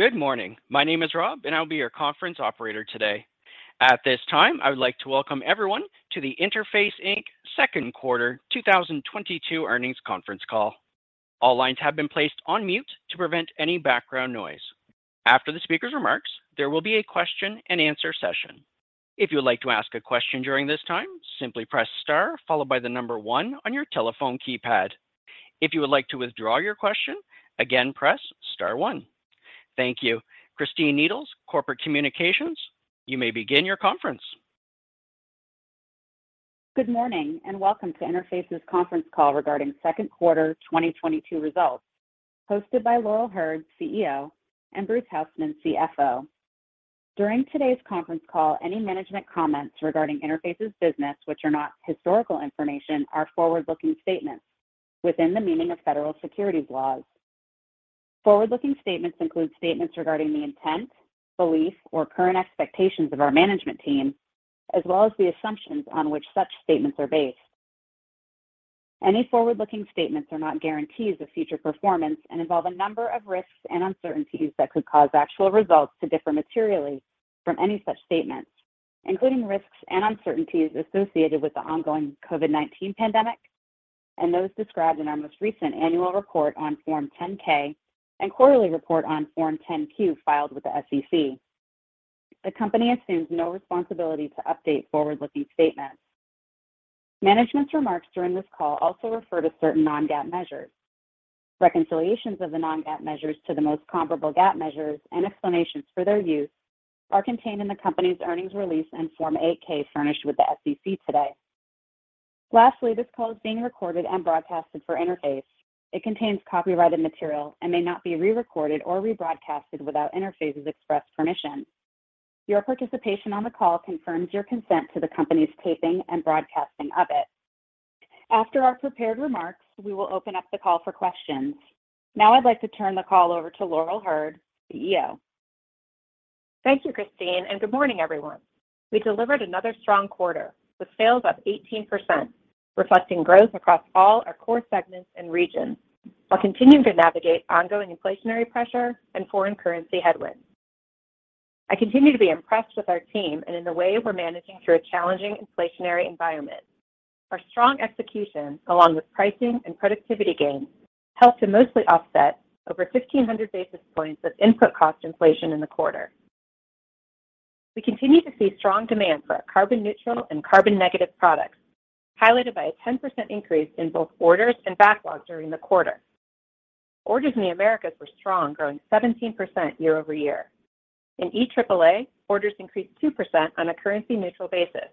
Good morning. My name is Rob, and I'll be your conference operator today. At this time, I would like to welcome everyone to the Interface, Inc.'s Second Quarter 2022 earnings conference call. All lines have been placed on mute to prevent any background noise. After the speaker's remarks, there will be a question and answer session. If you would like to ask a question during this time, simply press star followed by the number one on your telephone keypad. If you would like to withdraw your question, again, press star one. Thank you. Christine Needles, Corporate Communications, you may begin your conference. Good morning, and welcome to Interface's conference call regarding second quarter 2022 results hosted by Laurel Hurd, CEO, and Bruce Hausmann, CFO. During today's conference call, any management comments regarding Interface's business, which are not historical information, are forward-looking statements within the meaning of federal securities laws. Forward-looking statements include statements regarding the intent, belief, or current expectations of our management team, as well as the assumptions on which such statements are based. Any forward-looking statements are not guarantees of future performance and involve a number of risks and uncertainties that could cause actual results to differ materially from any such statements, including risks and uncertainties associated with the ongoing COVID-19 pandemic and those described in our most recent annual report on Form 10-K and quarterly report on Form 10-Q filed with the SEC. The company assumes no responsibility to update forward-looking statements. Management's remarks during this call also refer to certain non-GAAP measures. Reconciliations of the non-GAAP measures to the most comparable GAAP measures and explanations for their use are contained in the company's earnings release and Form 8-K furnished with the SEC today. Lastly, this call is being recorded and broadcast for Interface. It contains copyrighted material and may not be re-recorded or rebroadcast without Interface's express permission. Your participation on the call confirms your consent to the company's taping and broadcasting of it. After our prepared remarks, we will open up the call for questions. Now, I'd like to turn the call over to Laurel Hurd, CEO. Thank you, Christine, and good morning, everyone. We delivered another strong quarter with sales up 18%, reflecting growth across all our core segments and regions while continuing to navigate ongoing inflationary pressure and foreign currency headwinds. I continue to be impressed with our team and in the way we're managing through a challenging inflationary environment. Our strong execution, along with pricing and productivity gains, helped to mostly offset over 1,500 basis points of input cost inflation in the quarter. We continue to see strong demand for our carbon neutral and carbon negative products, highlighted by a 10% increase in both orders and backlogs during the quarter. Orders in the Americas were strong, growing 17% year-over-year. In EAAA, orders increased 2% on a currency neutral basis,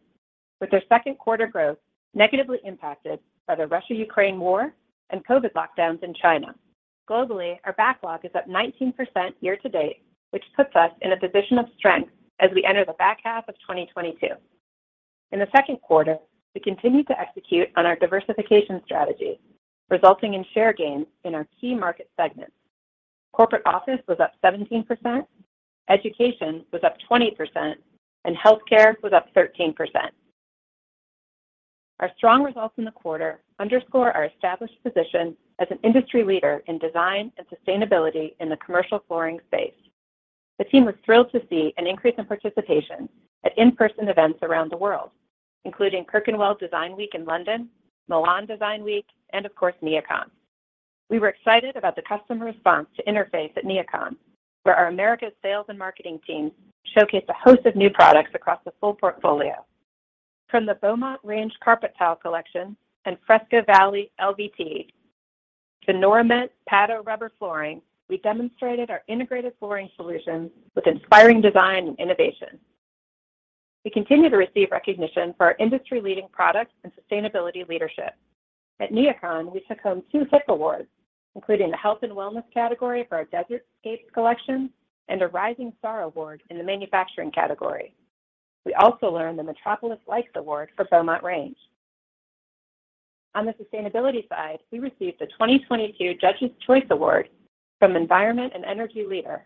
with their second quarter growth negatively impacted by the Russia-Ukraine war and COVID lockdowns in China. Globally, our backlog is up 19% year to date, which puts us in a position of strength as we enter the back half of 2022. In the second quarter, we continued to execute on our diversification strategy, resulting in share gains in our key market segments. Corporate office was up 17%, education was up 20%, and healthcare was up 13%. Our strong results in the quarter underscore our established position as an industry leader in design and sustainability in the commercial flooring space. The team was thrilled to see an increase in participation at in-person events around the world, including Clerkenwell Design Week in London, Milan Design Week, and of course, NeoCon. We were excited about the customer response to Interface at NeoCon, where our Americas sales and marketing team showcased a host of new products across the full portfolio. From the Beaumont Range carpet tile collection and Fresco Valley LVT to Norament Pado rubber flooring, we demonstrated our integrated flooring solutions with inspiring design and innovation. We continue to receive recognition for our industry-leading products and sustainability leadership. At NeoCon, we took home two HiP awards, including the Health & Wellness category for our Desertscape collection and a Rising Star Award in the manufacturing category. We also earned the METROPOLISLikes Award for Beaumont Range. On the sustainability side, we received the 2022 Judges' Choice Award from Environment+Energy Leader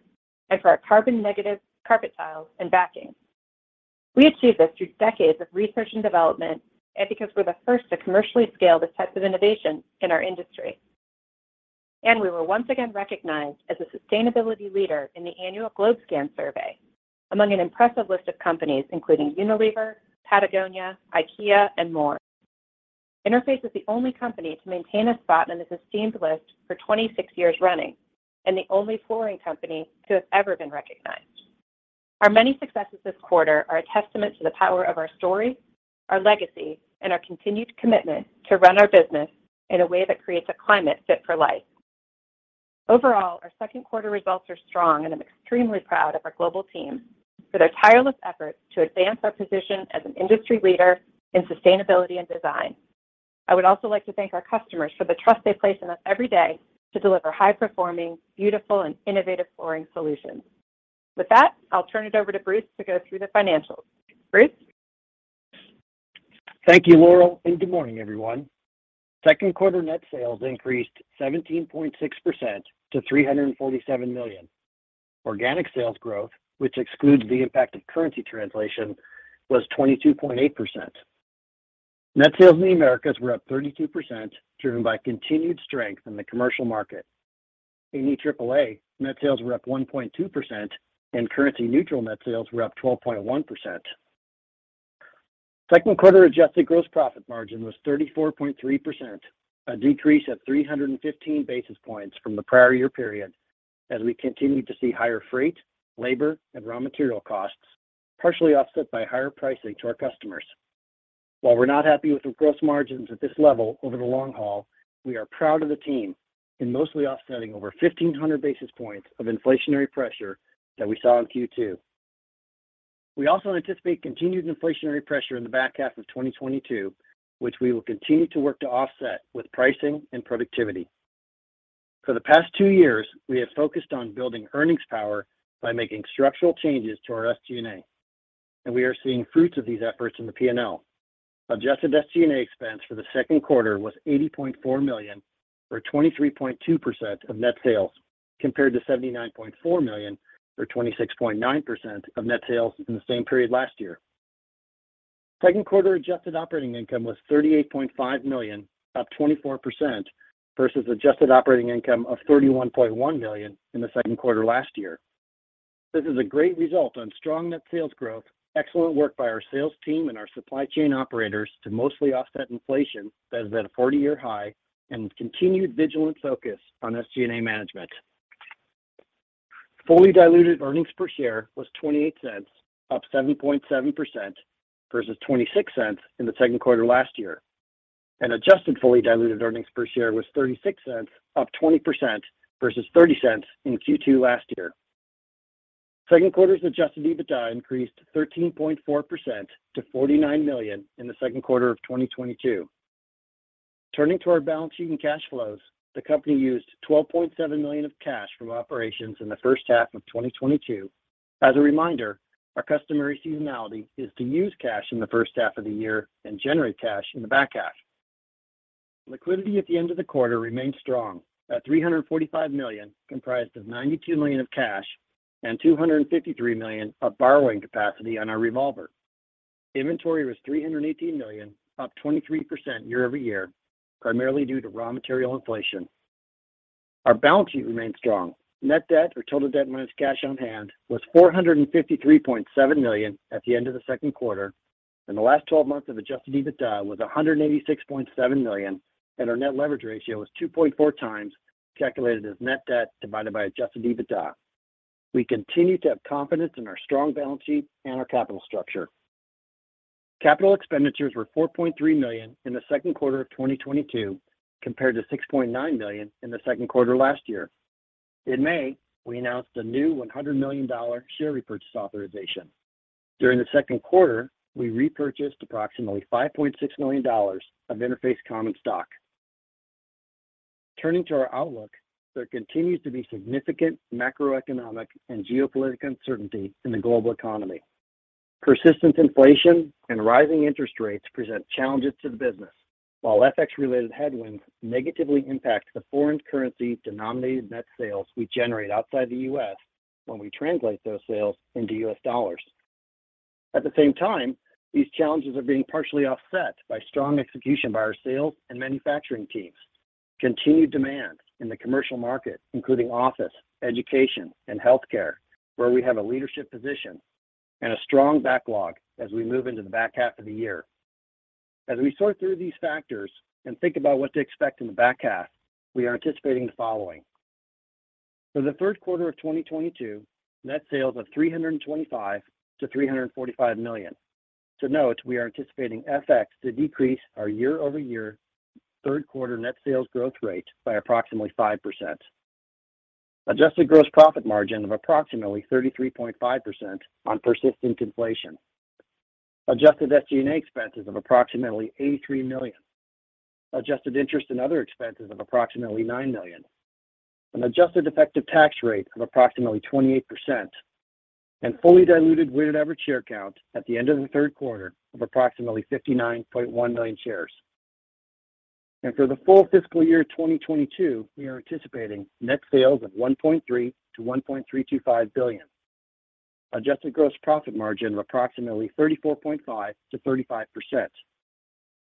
for our carbon negative carpet tiles and backing. We achieved this through decades of research and development and because we're the first to commercially scale this type of innovation in our industry. We were once again recognized as a sustainability leader in the annual GlobeScan survey among an impressive list of companies, including Unilever, Patagonia, IKEA, and more. Interface is the only company to maintain a spot on this esteemed list for 26 years running and the only flooring company to have ever been recognized. Our many successes this quarter are a testament to the power of our story, our legacy, and our continued commitment to run our business in a way that creates a climate fit for life. Overall, our second quarter results are strong, and I'm extremely proud of our global team for their tireless efforts to advance our position as an industry leader in sustainability and design. I would also like to thank our customers for the trust they place in us every day to deliver high-performing, beautiful, and innovative flooring solutions. With that, I'll turn it over to Bruce to go through the financials. Bruce? Thank you, Laurel, and good morning, everyone. Second quarter net sales increased 17.6% to $347 million. Organic sales growth, which excludes the impact of currency translation, was 22.8%. Net sales in the Americas were up 32%, driven by continued strength in the commercial market. In EAAA, net sales were up 1.2%, and currency-neutral net sales were up 12.1%. Second quarter adjusted gross profit margin was 34.3%, a decrease of 315 basis points from the prior year period, as we continued to see higher freight, labor, and raw material costs, partially offset by higher pricing to our customers. While we're not happy with the gross margins at this level over the long haul, we are proud of the team in mostly offsetting over 1,500 basis points of inflationary pressure that we saw in Q2. We also anticipate continued inflationary pressure in the back half of 2022, which we will continue to work to offset with pricing and productivity. For the past two years, we have focused on building earnings power by making structural changes to our SG&A, and we are seeing fruits of these efforts in the P&L. Adjusted SG&A expense for the second quarter was $80.4 million, or 23.2% of net sales, compared to $79.4 million, or 26.9% of net sales in the same period last year. Second quarter adjusted operating income was $38.5 million, up 24% versus adjusted operating income of $31.1 million in the second quarter last year. This is a great result on strong net sales growth, excellent work by our sales team and our supply chain operators to mostly offset inflation that is at a 40-year high, and continued vigilant focus on SG&A management. Fully diluted earnings per share was $0.28, up 7.7% versus $0.26 in the second quarter last year. Adjusted fully diluted earnings per share was $0.36, up 20% versus $0.30 in Q2 last year. Second quarter's adjusted EBITDA increased 13.4% to $49 million in the second quarter of 2022. Turning to our balance sheet and cash flows, the company used $12.7 million of cash from operations in the first half of 2022. As a reminder, our customary seasonality is to use cash in the first half of the year and generate cash in the back half. Liquidity at the end of the quarter remained strong at $345 million, comprised of $92 million of cash and $253 million of borrowing capacity on our revolver. Inventory was $318 million, up 23% year-over-year, primarily due to raw material inflation. Our balance sheet remained strong. Net debt, or total debt minus cash on hand, was $453.7 million at the end of the second quarter, and the last twelve months of adjusted EBITDA was $186.7 million, and our net leverage ratio was 2.4x, calculated as net debt divided by adjusted EBITDA. We continue to have confidence in our strong balance sheet and our capital structure. Capital expenditures were $4.3 million in the second quarter of 2022, compared to $6.9 million in the second quarter last year. In May, we announced a new $100 million share repurchase authorization. During the second quarter, we repurchased approximately $5.6 million of Interface common stock. Turning to our outlook, there continues to be significant macroeconomic and geopolitical uncertainty in the global economy. Persistent inflation and rising interest rates present challenges to the business. While FX-related headwinds negatively impact the foreign currency denominated net sales we generate outside the U.S. when we translate those sales into U.S. dollars. At the same time, these challenges are being partially offset by strong execution by our sales and manufacturing teams, continued demand in the commercial market, including office, education, and healthcare, where we have a leadership position and a strong backlog as we move into the back half of the year. As we sort through these factors and think about what to expect in the back half, we are anticipating the following. For the third quarter of 2022, net sales of $325 million-$345 million. To note, we are anticipating FX to decrease our year-over-year third quarter net sales growth rate by approximately 5%. Adjusted gross profit margin of approximately 33.5% on persistent inflation. Adjusted SG&A expenses of approximately $83 million. Adjusted interest and other expenses of approximately $9 million. An adjusted effective tax rate of approximately 28%. Fully diluted weighted average share count at the end of the third quarter of approximately 59.1 million shares. For the full fiscal year 2022, we are anticipating net sales of $1.3 billion-$1.325 billion. Adjusted gross profit margin of approximately 34.5%-35%.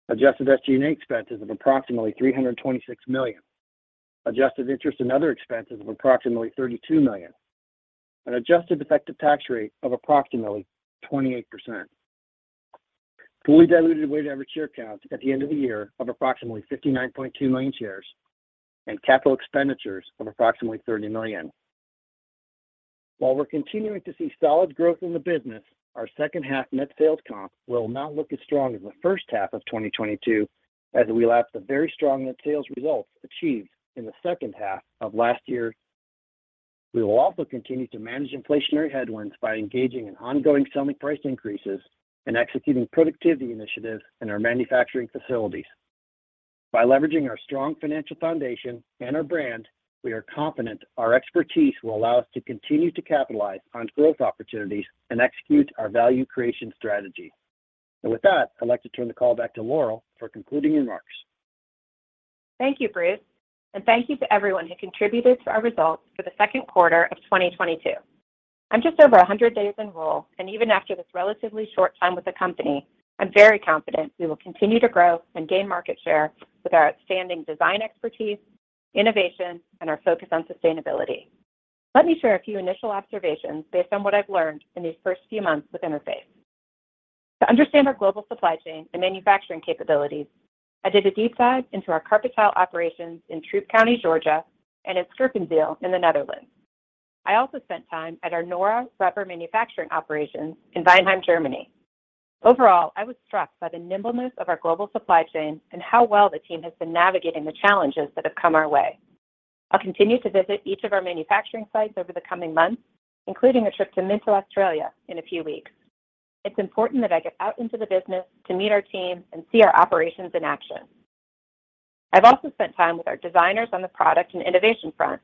Adjusted SG&A expenses of approximately $326 million. Adjusted interest and other expenses of approximately $32 million. An adjusted effective tax rate of approximately 28%. Fully diluted weighted average share count at the end of the year of approximately 59.2 million shares, and capital expenditures of approximately $30 million. While we're continuing to see solid growth in the business, our second half net sales comp will not look as strong as the first half of 2022 as we lap the very strong net sales results achieved in the second half of last year. We will also continue to manage inflationary headwinds by engaging in ongoing selling price increases and executing productivity initiatives in our manufacturing facilities. By leveraging our strong financial foundation and our brand, we are confident our expertise will allow us to continue to capitalize on growth opportunities and execute our value creation strategy. With that, I'd like to turn the call back to Laurel for concluding remarks. Thank you, Bruce, and thank you to everyone who contributed to our results for the second quarter of 2022. I'm just over 100 days in role, and even after this relatively short time with the company, I'm very confident we will continue to grow and gain market share with our outstanding design expertise, innovation, and our focus on sustainability. Let me share a few initial observations based on what I've learned in these first few months with Interface. To understand our global supply chain and manufacturing capabilities, I did a deep dive into our carpet tile operations in Troup County, Georgia, and in Scherpenzeel in the Netherlands. I also spent time at our Nora rubber manufacturing operations in Weinheim, Germany. Overall, I was struck by the nimbleness of our global supply chain and how well the team has been navigating the challenges that have come our way. I'll continue to visit each of our manufacturing sites over the coming months, including a trip to Minto, Australia, in a few weeks. It's important that I get out into the business to meet our team and see our operations in action. I've also spent time with our designers on the product and innovation front.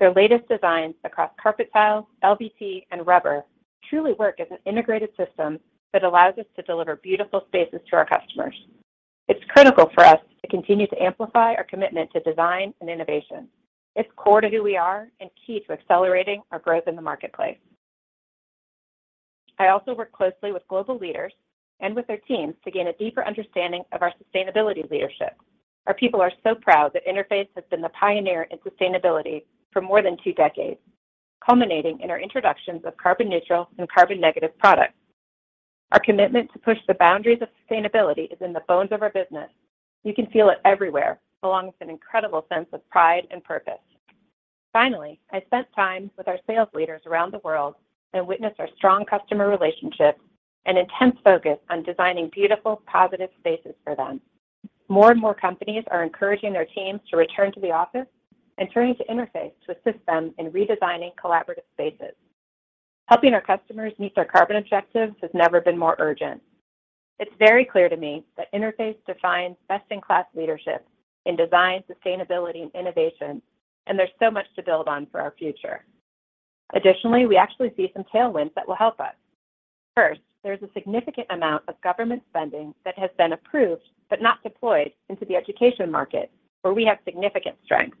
Their latest designs across carpet tile, LVT, and rubber truly work as an integrated system that allows us to deliver beautiful spaces to our customers. It's critical for us to continue to amplify our commitment to design and innovation. It's core to who we are and key to accelerating our growth in the marketplace. I also work closely with global leaders and with their teams to gain a deeper understanding of our sustainability leadership. Our people are so proud that Interface has been the pioneer in sustainability for more than two decades, culminating in our introductions of carbon neutral and carbon negative products. Our commitment to push the boundaries of sustainability is in the bones of our business. You can feel it everywhere, along with an incredible sense of pride and purpose. Finally, I spent time with our sales leaders around the world and witnessed our strong customer relationships and intense focus on designing beautiful, positive spaces for them. More and more companies are encouraging their teams to return to the office and turning to Interface to assist them in redesigning collaborative spaces. Helping our customers meet their carbon objectives has never been more urgent. It's very clear to me that Interface defines best-in-class leadership in design, sustainability, and innovation, and there's so much to build on for our future. Additionally, we actually see some tailwinds that will help us. First, there's a significant amount of government spending that has been approved but not deployed into the education market, where we have significant strength.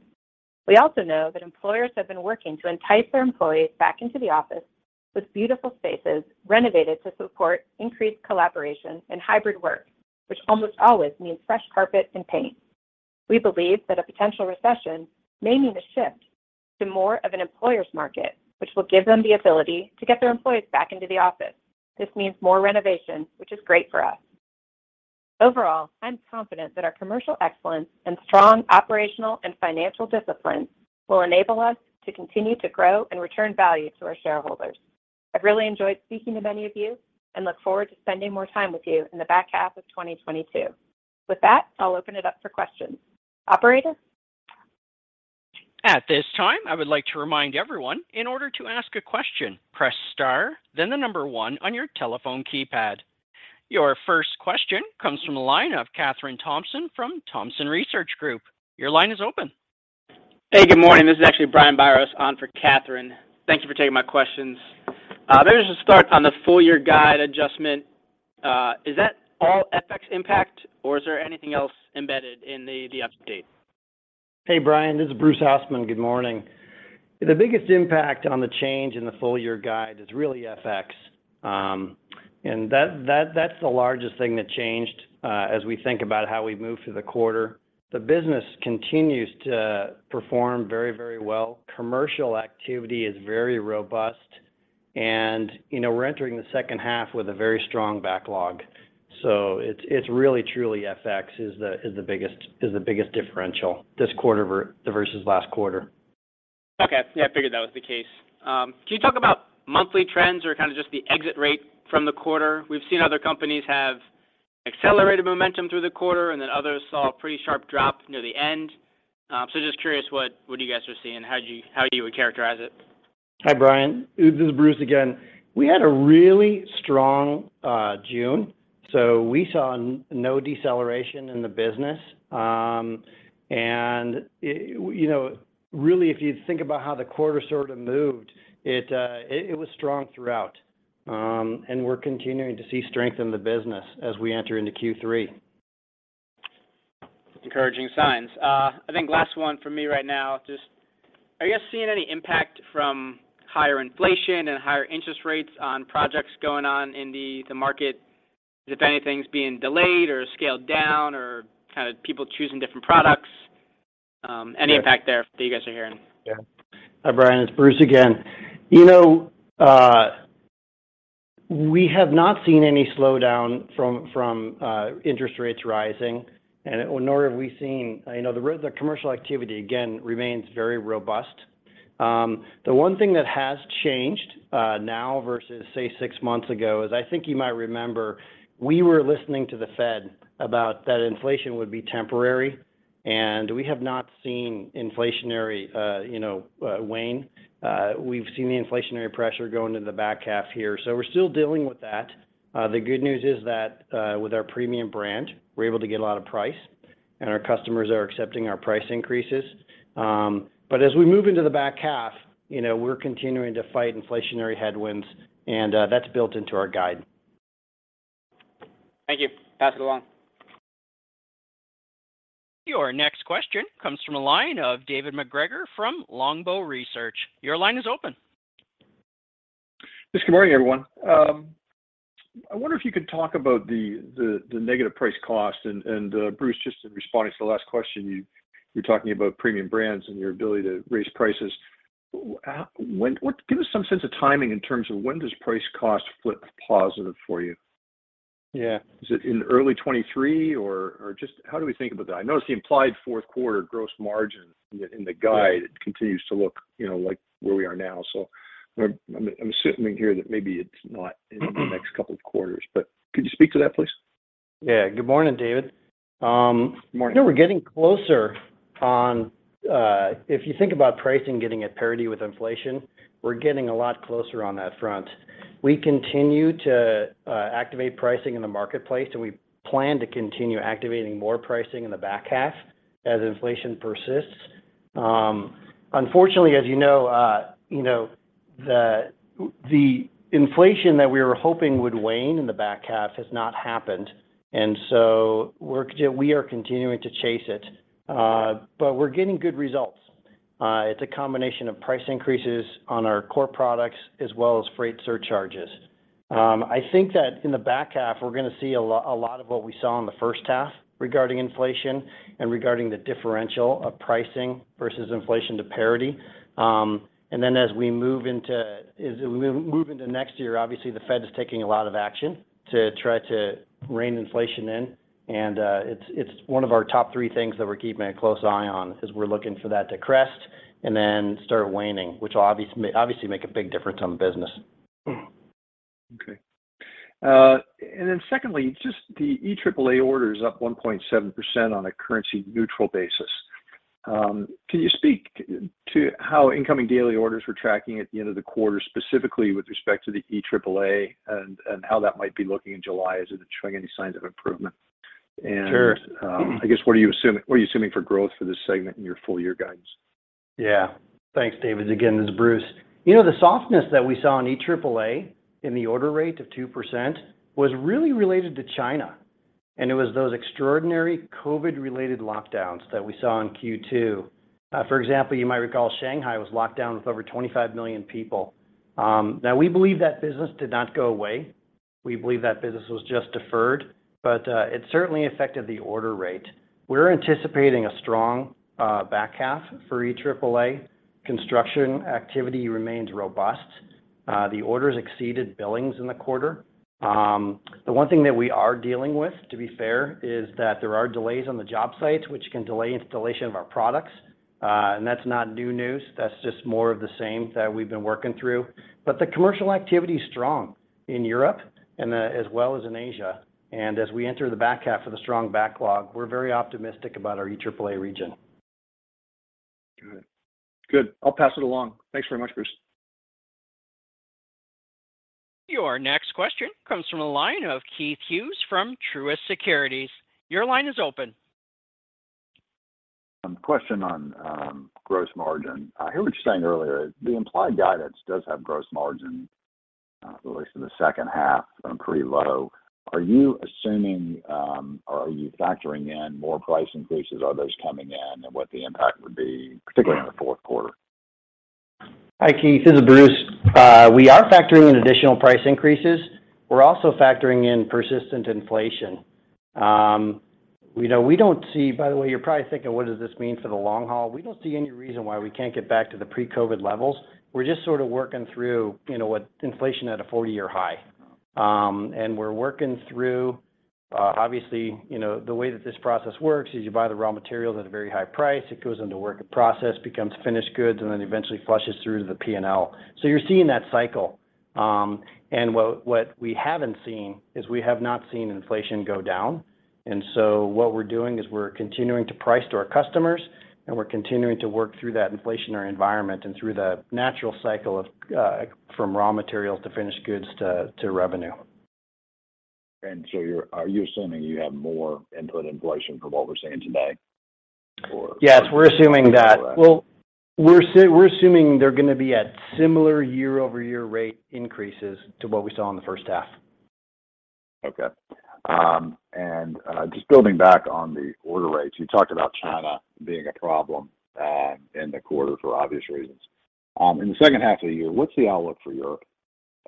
We also know that employers have been working to entice their employees back into the office with beautiful spaces renovated to support increased collaboration and hybrid work, which almost always means fresh carpet and paint. We believe that a potential recession may mean a shift to more of an employer's market, which will give them the ability to get their employees back into the office. This means more renovation, which is great for us. Overall, I'm confident that our commercial excellence and strong operational and financial discipline will enable us to continue to grow and return value to our shareholders. I've really enjoyed speaking to many of you, and look forward to spending more time with you in the back half of 2022. With that, I'll open it up for questions. Operator? At this time, I would like to remind everyone, in order to ask a question, press star, then the number one on your telephone keypad. Your first question comes from the line of Kathryn Thompson from Thompson Research Group. Your line is open. Hey, good morning. This is actually Brian Biros on for Kathryn. Thank you for taking my questions. Maybe just start on the full year guide adjustment. Is that all FX impact, or is there anything else embedded in the update? Hey, Brian, this is Bruce Hausmann. Good morning. The biggest impact on the change in the full year guide is really FX. That's the largest thing that changed as we think about how we moved through the quarter. The business continues to perform very well. Commercial activity is very robust, and you know, we're entering the second half with a very strong backlog. It's really truly FX is the biggest differential this quarter versus last quarter. Okay. Yeah, I figured that was the case. Can you talk about monthly trends or kind of just the exit rate from the quarter? We've seen other companies have accelerated momentum through the quarter, and then others saw a pretty sharp drop near the end. So just curious what you guys are seeing, how you would characterize it. Hi, Brian. This is Bruce again. We had a really strong June, so we saw no deceleration in the business. You know, really if you think about how the quarter sort of moved, it was strong throughout. We're continuing to see strength in the business as we enter into Q3. Encouraging signs. I think last one from me right now. Just are you guys seeing any impact from higher inflation and higher interest rates on projects going on in the market? If anything's being delayed or scaled down or kind of people choosing different products, any impact there that you guys are hearing? Yeah. Hi, Brian, it's Bruce again. You know, we have not seen any slowdown from interest rates rising, and nor have we seen. You know, the commercial activity, again, remains very robust. The one thing that has changed now versus, say, six months ago is, I think you might remember, we were listening to the Fed about that inflation would be temporary, and we have not seen inflationary, you know, wane. We've seen the inflationary pressure go into the back half here. We're still dealing with that. The good news is that with our premium brand, we're able to get a lot of price, and our customers are accepting our price increases. As we move into the back half, you know, we're continuing to fight inflationary headwinds and that's built into our guide. Thank you. Pass it along. Your next question comes from the line of David MacGregor from Longbow Research. Your line is open. Yes. Good morning, everyone. I wonder if you could talk about the negative price cost and, Bruce, just in responding to the last question, you're talking about premium brands and your ability to raise prices. Give us some sense of timing in terms of when does price cost flip positive for you? Yeah. Is it in early 2023 or just how do we think about that? I noticed the implied fourth quarter gross margin in the guide continues to look, you know, like where we are now. I'm assuming here that maybe it's not in the next couple of quarters, but could you speak to that, please? Yeah. Good morning, David. Good morning. No, we're getting closer on if you think about pricing getting at parity with inflation, we're getting a lot closer on that front. We continue to activate pricing in the marketplace, and we plan to continue activating more pricing in the back half as inflation persists. Unfortunately, as you know, you know, the inflation that we were hoping would wane in the back half has not happened. We are continuing to chase it. But we're getting good results. It's a combination of price increases on our core products as well as freight surcharges. I think that in the back half, we're gonna see a lot of what we saw in the first half regarding inflation and regarding the differential of pricing versus inflation to parity. As we move into next year, obviously the Fed is taking a lot of action to try to rein inflation in, and it's one of our top three things that we're keeping a close eye on as we're looking for that to crest and then start waning, which obviously make a big difference on the business. Secondly, just the EMEA order is up 1.7% on a currency neutral basis. Can you speak to how incoming daily orders were tracking at the end of the quarter, specifically with respect to the EMEA and how that might be looking in July? Is it showing any signs of improvement? Sure. I guess what are you assuming for growth for this segment in your full year guidance? Yeah. Thanks, David. Again, this is Bruce. You know, the softness that we saw in EAAA in the order rate of 2% was really related to China, and it was those extraordinary COVID-related lockdowns that we saw in Q2. For example, you might recall Shanghai was locked down with over 25 million people. Now we believe that business did not go away. We believe that business was just deferred, but it certainly affected the order rate. We're anticipating a strong back half for EAAA. Construction activity remains robust. The orders exceeded billings in the quarter. The one thing that we are dealing with, to be fair, is that there are delays on the job sites, which can delay installation of our products. That's not new news. That's just more of the same that we've been working through. The commercial activity is strong in Europe and as well as in Asia. As we enter the back half with a strong backlog, we're very optimistic about our EMEA region. Good. Good. I'll pass it along. Thanks very much, Bruce. Your next question comes from the line of Keith Hughes from Truist Securities. Your line is open. Question on gross margin. I heard you saying earlier the implied guidance does have gross margin, at least in the second half, pretty low. Are you assuming or are you factoring in more price increases? Are those coming in and what the impact would be, particularly in the fourth quarter? Hi, Keith, this is Bruce. We are factoring in additional price increases. We're also factoring in persistent inflation. By the way, you're probably thinking, what does this mean for the long haul? We don't see any reason why we can't get back to the pre-COVID levels. We're just sort of working through, you know, with inflation at a 40-year high. We're working through, obviously, you know, the way that this process works is you buy the raw materials at a very high price. It goes into work in process, becomes finished goods, and then eventually flushes through to the P&L. You're seeing that cycle. What we haven't seen is we have not seen inflation go down. What we're doing is we're continuing to price to our customers, and we're continuing to work through that inflationary environment and through the natural cycle of from raw materials to finished goods to revenue. Are you assuming you have more input inflation from what we're seeing today or- Yes, we're assuming that. Well, we're assuming they're gonna be at similar year-over-year rate increases to what we saw in the first half. Okay. Just building back on the order rates, you talked about China being a problem in the quarter for obvious reasons. In the second half of the year, what's the outlook for Europe?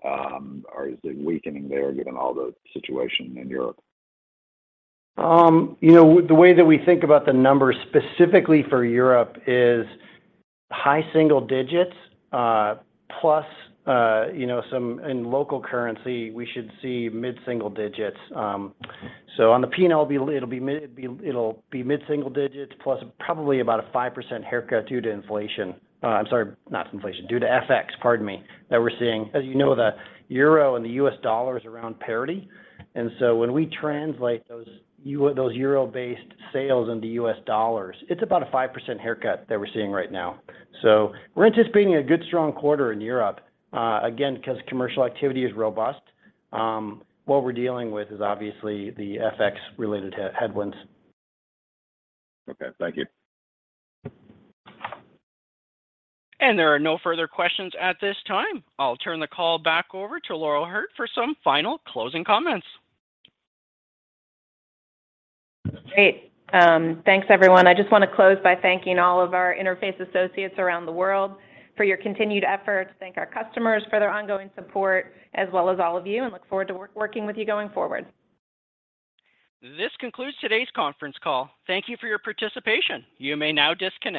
Or is it weakening there given all the situation in Europe? You know, the way that we think about the numbers specifically for Europe is high single digits, plus, you know, some in local currency, we should see mid single digits. So on the P&L, it'll be mid single digits plus probably about a 5% haircut due to inflation. I'm sorry, not to inflation, due to FX, pardon me, that we're seeing. As you know, the euro and the U.S. dollar is around parity. When we translate those euro-based sales into U.S. dollars, it's about a 5% haircut that we're seeing right now. We're anticipating a good, strong quarter in Europe, again, 'cause commercial activity is robust. What we're dealing with is obviously the FX related headwinds. Okay. Thank you. There are no further questions at this time. I'll turn the call back over to Laurel Hurd for some final closing comments. Great. Thanks, everyone. I just wanna close by thanking all of our Interface associates around the world for your continued efforts, thank our customers for their ongoing support, as well as all of you, and look forward to working with you going forward. This concludes today's conference call. Thank you for your participation. You may now disconnect.